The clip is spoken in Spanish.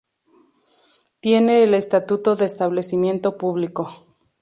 Tiene el estatuto de establecimiento público.